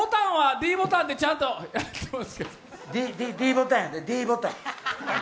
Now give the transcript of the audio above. ｄボタンやで、ｄボタン。